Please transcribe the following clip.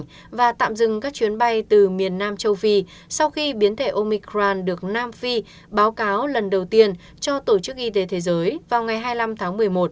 đã tạm dừng các chuyến bay từ miền nam châu phi sau khi biến thể omicran được nam phi báo cáo lần đầu tiên cho tổ chức y tế thế giới vào ngày hai mươi năm tháng một mươi một